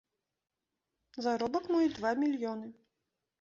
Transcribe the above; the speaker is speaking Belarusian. Заробак мой два мільёны.